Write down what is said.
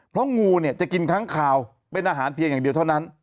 เพราะงูเนี่ยจะกินค้างคาวเป็นอาหารเพียงอย่างเดียวเท่านั้น